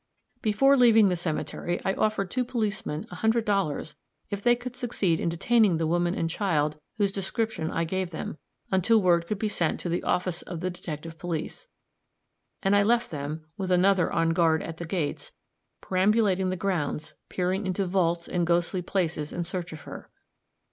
Before leaving the cemetery I offered two policemen a hundred dollars if they should succeed in detaining the woman and child whose description I gave them, until word could be sent to the office of the detective police; and I left them, with another on guard at the gates, perambulating the grounds, peering into vaults and ghostly places in search of her.